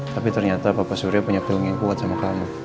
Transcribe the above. tapi ternyata bapak surya punya film yang kuat sama kamu